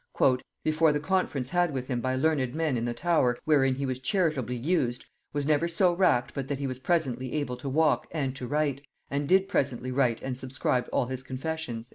"before the conference had with him by learned men in the Tower, wherein he was charitably used, was never so racked but that he was presently able to walk and to write, and did presently write and subscribe all his confessions."